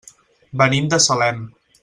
Venim de Salem.